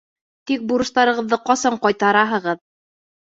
Тик бурыстарығыҙҙы ҡасан ҡайтараһығыҙ?